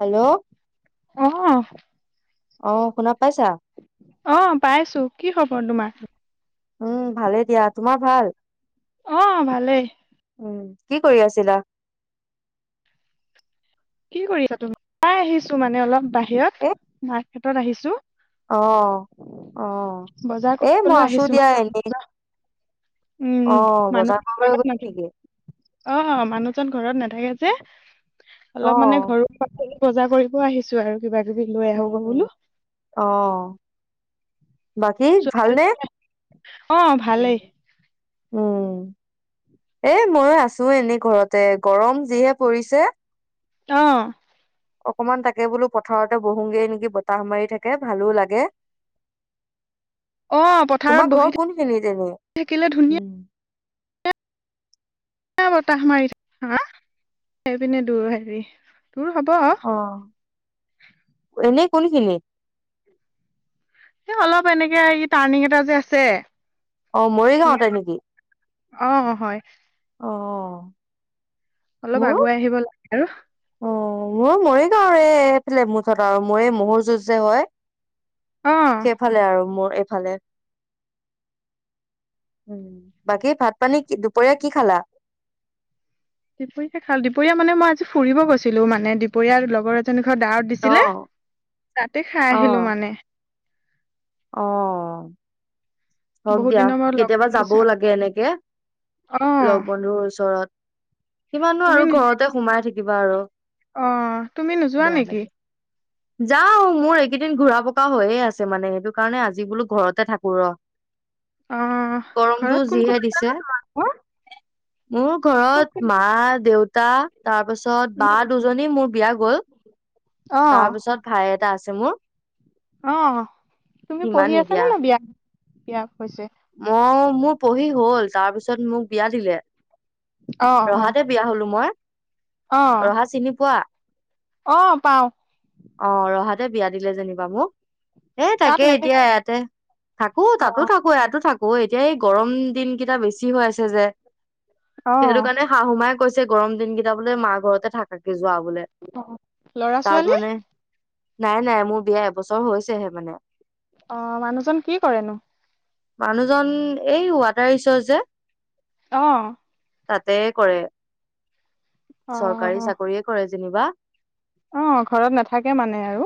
Hello! অ', অ' শুনা পাইছা অ' পাইছো কি খবৰ তোমাৰ? উম, ভালেই দিয়া তোমাৰ ভাল? অ' ভালেই। উম কি কৰি আছিলা? কি কৰিছা তুমি? ওলাই আহিছো মানে অলপ বাহিৰত এ মাৰ্কেটত আহিছোঁ। অ', অ' বজাৰ এ মই কৰিবলৈ আছো আহিছো দিয়া মানে এনেই। বজাৰ- উম, অ বজাৰ মানুহৰ কৰিবলৈ ঘৰত গল নেকি? অ' মানু [unintelligible] ঘৰত নাথাকে যে, অ অলপ মানে ঘৰুৱা পাচলি বজাৰ কৰিব আহিছোঁ আৰু। কিবা- কিবি লৈ আহোঁ উম [unintelligible] উম বোলো। অ বাকী ছোৱালী- ভালনে? অ', উম, ভালেই উম। এ মইয়ো আছো এনেই ঘৰতে গৰম যিহে পৰিছে। অহ। অকমান তাকে বোলো পথাৰতে বহুগে নেকি, বতাহ মাৰি থাকে ভালো লাগে। অ', পথাৰত তোমাৰ বহি ঘৰ কোনখিনিত এনে? থাকিলে উম ধুনীয়া এ বতাহ মাৰি থাক হা সেইপিনে দূৰ হেৰি। দূৰ হ'ব আহ, এনে কোনখিনিত? এ অলপ এনেকে আহি টাৰ্ণিং এটা যে আছে। অহ মৰিগাঁৱতে নেকি? অ', হয় অহ। অলপ আগুৱাই আহিব লাগে আৰু অ মোৰ মৰিগাঁওৰে এফালে মুঠত আও মোৰ এই মহৰ যুঁজ যে হয়। অ সেইফালে আৰু মোৰ এইফালে। বাকী ভাত পানী দুপৰীয়া কি খালা? দুপৰীয়া খালোঁ। দুপৰীয়া মানে মই আজি ফুৰিব গৈছিলো মানে দুপৰীয়া লগৰ এজনী ঘৰত ডাৱত অ দিছিলে। তাতে খাই অ আহিলো মানে। অ, হওক বহুত দিয়া, দিনৰ মূৰত লগ কেতিয়াবা পাইছো যাবও লাগে এনেকে। অ লগ বন্ধুৰ ওচৰত কিমাননো তুমি আৰু নিজে ঘৰতে সোমাই থাকিবা আৰু। অ, তুমি নোযোৱা বেয়া নেকি? লাগে যাও, মোৰ এইকেইদিন ঘুৰা পকা হৈয়ে আছে মানে সেইটো কাৰণে আজি বোলো ঘৰতে থাকো ৰ। অ গৰমটো ঘৰত কোন কোন যিহে আছে নো দিছে। তোমাৰ ঘৰত মোৰ কোন ঘৰত কোন মা দেউ তা তাৰপিছত বা উম দুজনী মোৰ বিয়া গল অ তাৰপিছত ভাই এ টা আছে মোৰ। অ, তুমি সিমান পঢ়ি আছা নে? ন বিয়া- বিয়া হৈছে। ম মোৰ পঢ়ি হল। তাৰপিছত মোক বিয়া দিলে। অ অ ৰহাতে বিয়া হলো। মই অ ৰহা চিনি পোৱা? অ, পাও। অ, ৰহাতে বিয়া দিলে যেনিবা মোক। এ তাত থাকে। এতিয়া নেথাকে ইয়াতে থাকো অ তাতো থাকো ইয়াতো থাকো। অ, এতিয়া এই গৰম দিনকেইটা বেছি হৈ আছে যে। অ সেইটো কাৰণে শাহু মাক কৈছে গৰম দিনকেইটা বোলে মাৰ ঘৰতে থাকাকে যোৱা বোলে। অ ল'ৰা তাত ছোৱালী মানে, নাই- নাই মোৰ বিয়া এবছৰ হৈছেহে মানে। অ, মানুহজন কি কৰেনো? মানুহজন এই ৱাটাৰ ৰিচৰ্চ যে, অ। তাতে কৰে। অ চৰকাৰী- চাকৰিয়ে কৰে যেনিবা। অ। ঘৰত নাথাকে মানে আৰু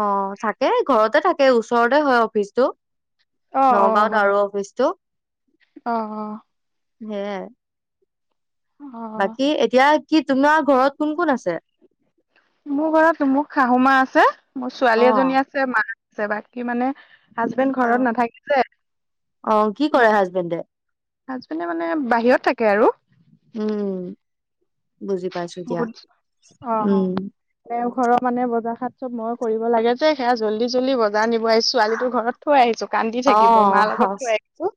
অ, থাকে ঘৰতে থাকে। তেই ওচৰতে হয় অফিচটো, অ নগাঁওত হয় আৰু অফিচটো। অ- অ। হেয়া। অ বাকী এতিয়া কি তোমাৰ ঘৰত কোন- কোন আছে? মোৰ ঘৰত মোৰ শাহু মা আছে, মোৰ অ ছোৱালী এজনী আছে মা। বাকী মানে হাজবেণ্ড অ ঘৰত নাথাকি যে অ কি কৰে হাজবেণ্ডে হাজবেণ্ডে মানে বাহিৰত থাকে আৰু। উম, বুজি পাইছো দিয়া। বহুত অ অ উম, তেওঁ ঘৰৰ মানে বজাৰাত চব মই কৰিব লাগে যে। সেয়া জল্দি- জল্দি বজাৰ নিব আহিছো। ছোৱালী ঘৰত থৈ আহিছো। কান্দি অ থাকিব মাৰ লগত থৈ আহিছোঁ।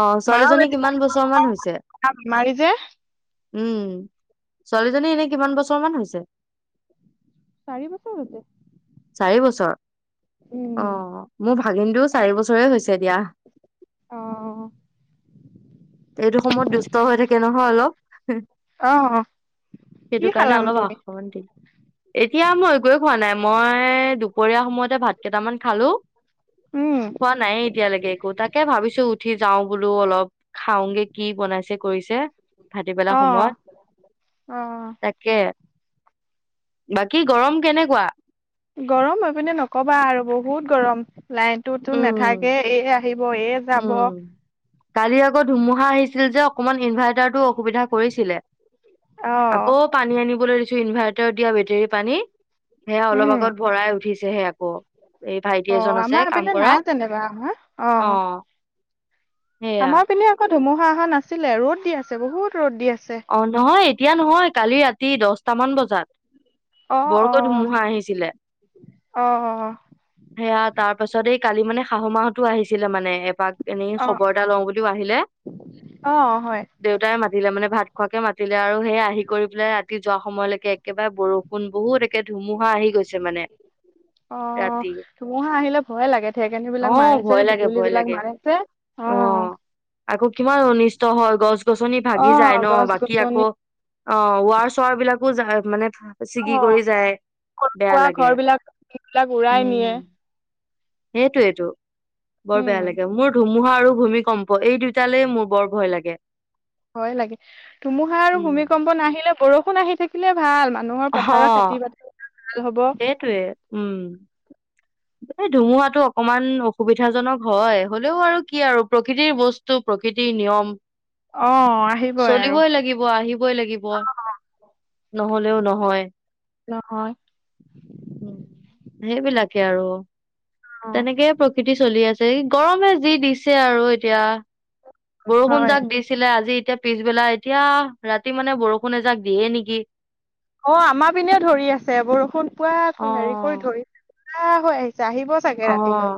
অ, ছোৱালীজনী কিমান বছৰ মান হৈছে? বেমাৰী যে উম। ছোৱালীজনী এনে কিমান বছৰ মান হৈছে চাৰি বছৰ হৈছে। চাৰি বছৰ অ উম মোৰ ভাগিনটোও চাৰি বছৰে হৈছে দিয়া অ এইটো সময়ত দুষ্ট হৈ থাকে নহয় অলপ অ কি সেইটো কাৰণে খালানো অলপ তুমি আসমণ দিিল এতিয়া মই এক খোৱা নাই মই মই দুপৰীয়া সময়তে ভাত কেইটামান খালো উম খোৱা নাইে এতিয়ালৈকে একো তাকে ভাবিছো উঠি যাওঁ বোলো অলপ খাওঁগে কি বনাইছে কৰিছে ভাট পেলা অ সময়ত অ তাকে বাকী গৰম কেনেকুৱা গৰম হৈ পিনে নকবা আৰু বহুত গৰম লাইনতটোতো নাথাকে উম এই আহিব এ যাব উম কালি আগত ধুমুহা আহিছিল যে অকমান ইনভাৰ্ট ো অসুবিধা কৰিছিলে অ আকৌ পানী আনিবলৈ কিছু ইনভাৰ্টাৰ দিয়া বেটেৰী পানী সেয়া অলপ উম আগত ভৰাই উঠিছেহে আকৌ এই ভাইটি এজন আছে কাম পিনে কৰা নাই যেনিবা অ আহা সেয়া আমাৰ পিনে আকৌ ধুমুহা অহা নাছিলে ৰ'দ দি আছে বহুত ৰ'দ দি আছে অ নহয় এতিয়া নহয় কালি ৰাতি দহটামান বজাত অ বৰক অ ধুমুহা আহিছিলে অ সেয়া তাৰ পাছত এই কালি মানে শাহু মাহতো আহিছিলে মানে পাক এনেই অ খবৰ এটা লওঁ বুলিও আহিলে অ হয় দেউতাই মাতিলে মানে ভাত াতিলে আৰু সেই আহি কৰি পেলাই ৰাতি যোৱা সময়লৈকে একেবাৰে বৰষুণ বহুত ধুমুহা আহি গৈছে মানে অ ৰাতি ধুমুহা আহিলে ভয়ে লাগে ঢেৰেকণি বিলাক অ মাৰে যে ভয় লাগে বিজুলী ভয় বিলাক লাগে মাৰে যে অ আকৌ কিমান অনিষ্ট হয় গছ গছনি অ ভাগি যায় ন গছ বাকী গছনি আকৌ অ ৱাৰ চাৰ বিলাকো মানে অ ছিগি কৰি যায় সৰু বেয়া সুৰা লাগে ঘৰ বিলাক বিলাক উৰাই নিয়ে উম সেইটোয়েইটো বৰ উম, বেয়া লাগে মোৰ ধুমুহা আৰু ভূমিকম্প এই দুইটালেই মোৰ বৰ ভয় লাগে হয় লাগে ধুমুহা আৰু উম। ভূমিকম্প ন আহিলে বৰষুণ আহি থাকিলে ভাল মান মানুহৰ অ পথাৰৰ খেতি বাতি ভাল হ'ব সেইটোৱে উম। এই ধুমুহটো অকমান অসুবিধাজনক হয় হলেও আৰু কি আৰু প্ৰকৃতিৰ বস্তু প্ৰকৃ প্ৰকৃতি নিয়ম অ', আহিবই আৰু। চলিবই লাগিব আহিবই লাগিব নহলেও নহয় নহয় সেইবিলাক আৰু অ', তেনেকে প্ৰকৃতি চলি আছে গৰমে যি দিছে আৰু এতিয়া বৰষুণ হয়। যাক দিছিলে আজি এতিয়া পিছবেলা এতিয়া ৰাতি মানে বৰষুণ এজাক দিয়ে নেকি অ আমাৰ পিনে ধৰি আছে বৰষুণ অ পোৱা হেৰি কৰি ধৰি কুলা হৈ আহিছে আহিব চাগে অ ৰাতিলৈ।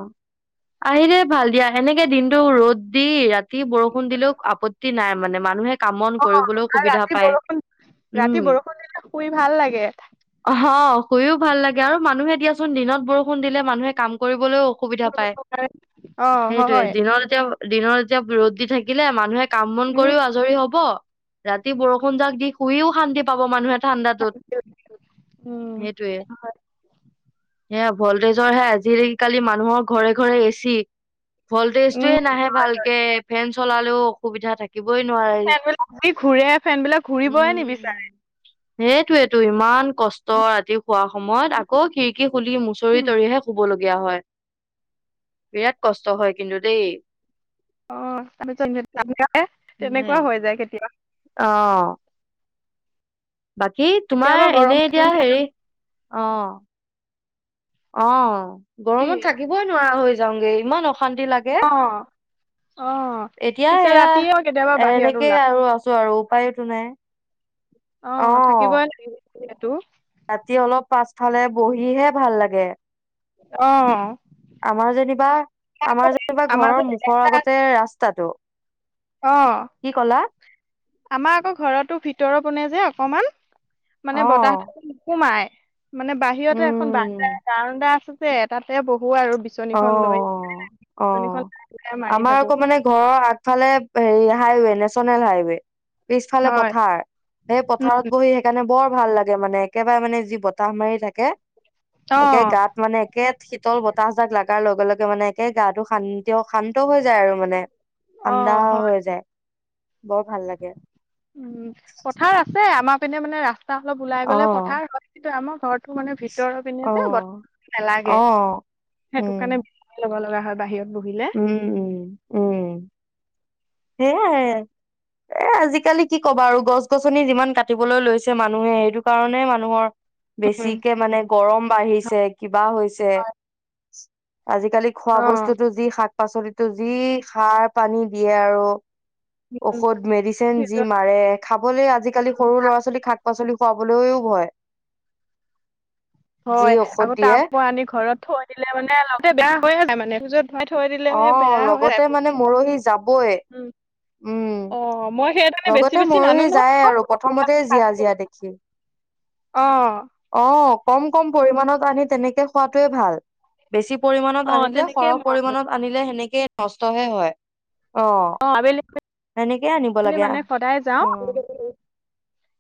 আহি লেই ভাল দিয়া সেনেকে দিনতো ৰ'দ দি ৰাতি বৰষুণ দিলেও আপত্তি নাই মানে মানুহে কামন অ', কৰিবলৈও আৰু সুবিধা ৰাতি পায় বৰষুণ ৰাতি উম বৰষুণ দিলে শুই ভাল লাগে। হা গও ভাল লাগে আৰু মানুহে দিয়াচোন দিনত বৰষুণ দিলে মানুহে কাম কৰিব অসুবিধা পায় অ', সেইটয়ে হয়। দিনৰ এতিয়া দিনৰ যেতিয়া ৰ দি থাকিলে মানুহে কাম বন উম, কৰিও আজৰি হব ৰাতি বৰষুণ যাক দি শুইও শান্তি পাব মানুহে ঠাণ্ডাটোত উম এে ভল্টেজৰ হে আজি কালি মানুহৰ ঘৰে ঘৰে এচি উম, ভল্টেজটয়ে নাহে ভালকে ফেন চলালেও অসুবিধা থাকে থাকিবই নোৱাৰি ফেনবিলাক যি ঘূৰে ফেনবিলাক ঘূৰিবই উম, নিবিচাৰে। সেই টো ইমান কষ্ট ৰাতি শোৱা সময়ত আকৌ খিৰিকি খুলি মুচৰি উম, তৰিহে লগিয়া হয়, বিৰাট কষ্ট হয় কিন্তু দেই। অ' তাৰপিছত তেনেকুৱা সেয়াই। হৈ যায় কেতিয়া অ', বাকী কেতিয়াবা তোমাৰ এনে গৰম থাকিব এতিয়া হেৰি অ', অ', কি গৰমত থাকিবই নোৱাৰা হৈ যাওঁগে ইমান অশান্তি লাগে। অ অ এতিয়া পিছে এয়া ৰাতিয়েও কেতিয়াবা বাহিৰত এনেকেই ওলা আৰু আছোঁ আৰু উপায়তো নাই। অ', থাকিবই লাগিবটো। ৰাতি অলপ পাছফালে বহিহে ভাল লাগে। অ', আমাৰ যেনিবা আমাৰ যেনিবা আমাৰ ঘৰৰ যে মুখৰ আগতে ৰাস্তাটো অ', কি কলা? আমাৰ আকৌ ঘৰতো ভিতৰৰ পিনে যে অকমান। অ', মানে বতাহত নোসোমাই। মানে বাহিৰতে এখন বা উম, গাদা আছে যে এটাতে বহ অ', অ', বিচনীখন মাৰি আমাৰ থাকো আকৌ মানে ঘৰৰ আগফালে হেৰি হাইৱে নেচনেল হাইৱে। পিছফালে হয় পথাৰ, সেই উম পথাৰত বহি সেইকাৰণে বৰ ভাল লাগে লাগে মানে একেবাৰে মানে যি বতাহ মাৰি থাকে অ একে গাত মানে একে শীতল বতাহ লাগাৰ লগে লগে মানে একে গাটো শান্তি, শান্ত হৈ যায় আৰু মানে। অ ঠাণ্ডা হয় হৈ যায়। বৰ ভাল লাগে উম, পথাৰ আছে আমাৰ পিনে মানে ৰাস তাহ অলপ ওলাই গ'লে পথাৰ অ', হয় কিন্তু আমাৰ ঘৰটো মানে ভিতৰৰ পিনে যে অ', বতাহ নেলাগে অ', সেইটো কাৰণে উম, বি লব লগা হয় বাহিৰত বহিলে উম, উম, উম, সে এ আজিকালি কি ক'বা আৰু গছ গছনি যিমান কাটিবলৈ লৈছে মানুহে সেইটো কাৰণে মানুহৰ বেছিকে মানে গৰম বাঢ়িছে কিবা হৈছে। আজিকালি খোৱা অ বস্তুটো যি শাক পাচলিটো, যি খাৰ পানী দিয়ে আৰু। ঔষধ মেডিচিন যি মাৰে খাবলৈ আজিকালি সৰু ল'ৰা ছোৱালী শাক পাচলি খুৱাবলৈয়ো ভয়। যি হয় ঔষধ আকৌ দিয়ে তাৰপা আনি ঘৰত থৈ দিলে মানে বেয়া হৈ যায় মানে ভৰাই থৈ দিলে অ সেই বেয়া হৈয়ে যায় লগতে মানে মৰহি যাবই উম, উম অ, মই সেইকাৰণে বেছি লগতে বেছি নানো মৰহি নহয় যায় আৰু প্ৰথমতে জীয়া জীয়া দেখি অ', অ', কম কম পৰিমানত আনি তেনেকে খোৱাটোৱে ভাল। বেছি পৰিমানত অ আনিলে তেনেকেই সৰহ মই আনো পৰিমণত আনিলে সেনেকে নষ্টহে হয়। অ', এনেক মানে সদায় যাওঁ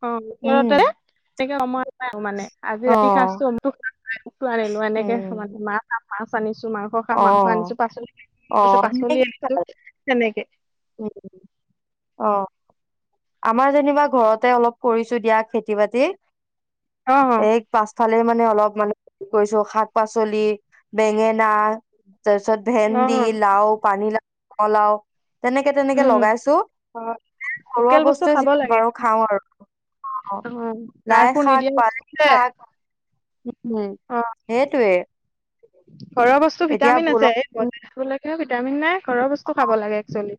অ' ওচৰতে উম, তেনেকে সময় মানে আজি ৰাতি অ', সাঁজটো [unintelligible] আনিলোঁ এনেকে উম, মানে মাছ মাছ আনি মাংস খাম মাংস আনিছোঁ অ', পাচলি কৈছে অ' পাচলি আনিছো তেনেকে উম', অ', আমাৰ যেনিবা ঘৰতে অলপ কৰিছোঁ দিয়া খেতি-বাতি অ ফালে মানে অলপ মানে কি কৰিছোঁ শাক পাচলি বেঙেনা তাৰ পিছত অ ভেন্দি লাও, পানী লাও, ৰঙা লাও তেনেকে তেনেকে উম লগাইছোঁ অ ঘৰুৱা লোকেল বস্তু বস্তুৱে খাব যি লাগে পাৰোঁ খাও আৰু। অ সাৰ লাই সুৰ শাক নিদিয়া বস্তু পালেং যে শাক। উম, সেইটোৱে। ঘৰৱা বস্তু এতিয়া ভিটামিন আছে এই বজাৰবিলাকে ভিটামিন নাই। ঘৰৰ বস্তু খাব লাগে একচুৱেলি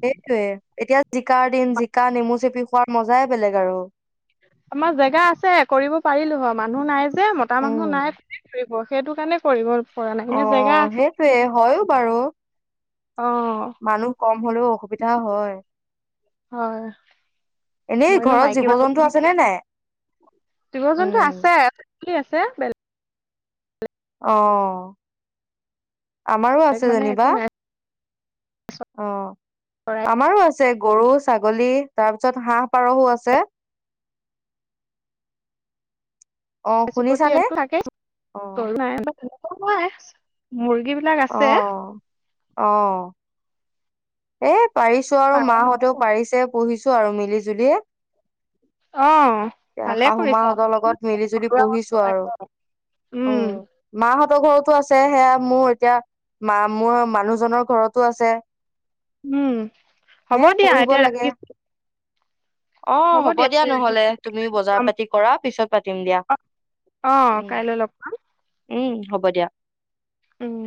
সেইটোযৱে এতিয়া জিকাৰ দিন জিকা নেমু চেপি খোৱাত মজায়ে বেলেগ আৰু। আমাৰ জেগা আছে কৰিব পাৰিলো হ মানুহ নাই যে মতা উম। মানুহ নাই কোনে কৰিব সেইটো কাৰণে কৰিবৰ অ সেইটোৱে হয়ো বাৰু। অ মানুহ কম হলেও অসুবিধা হয়। হয়। এনেই মইনো ঘৰত মাইকী জীৱ জন্তু আছে নে [unintelligible] নাই? জীৱ-জন্তু উম আছে। চলি আছে বেলে অ। আমাৰো বেলেগ আছে মানে একো যেনিবা নাই অহ। চৰাই আমাৰো আছে গৰু-ছাগলী তাৰপাছত হাঁহ-পাৰসো আছে। অ চিকতিটো শুনিছানে? ইয়াটো থাকেই, অ গৰু নাই [unintelligible] [unintelligible] নাই মুৰ্গী বিলাক অ আছে। অ এ পাৰিছো আৰু পাৰ মাহঁতেও লগত পাৰিছে পুহিছ আৰু মিলি জুলিয়ে। অ। এতিয়া ভালে শাহু কৰিছা মাহঁতৰ লগত মিলি জুলি ঘৰুৱা বস্তু পহিছো আৰু। লাগে উম মাহঁতৰ ঘৰত টো আছে, সেয়া মোৰ এতিয়া মা মোৱে মানুহজনৰ ঘৰতো আছে। উম হ'ব হে দিয়া পঢ়িব এতিয়া লাগে ৰাখিছ অ হ'ব দিয়া নহলে। তুমি বজাৰ পাতি কৰা পিছত পাতিম দিয়া। অ অ উম, কাইলৈ লগ পাম উ। উম হ'ব দিয়া। উম।